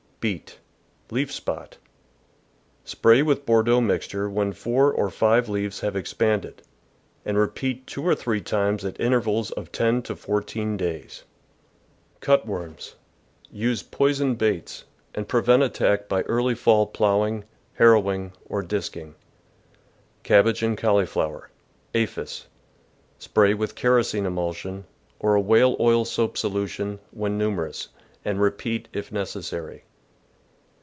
Beet. — Leaf Spot. — Spray with Bordeaux mix ture when four or five leaves have expanded, and repeat two or three times at intervals of ten to four teen days. Cut worms. — Use poisoned baits, and prevent [235 ] THE VEGETABLE GARDEN attack by early fall ploughing, harrowing, or disking. Cabbage and Cauliflower. — Aphis. — Spray with kerosene emulsion, or a whale oil soap solu tion, when numerous, and repeat if necessary.